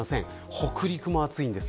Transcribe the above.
北陸も暑いです。